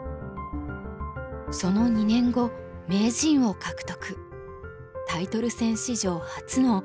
その２年後名人を獲得。